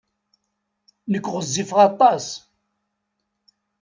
Nekk ɣezzifeɣ aṭas.